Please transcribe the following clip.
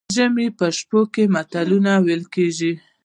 د ژمي په شپو کې متلونه ویل کیږي.